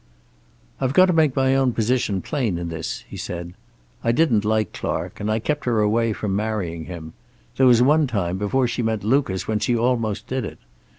"I've got to make my own position plain in this," he said. "I didn't like Clark, and I kept her from marrying him. There was one time, before she met Lucas, when she almost did it.